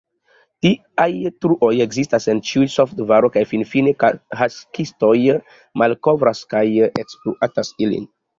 Tiaj truoj ekzistas en ĉiu softvaro, kaj finfine hakistoj malkovras kaj ekspluatas ilin.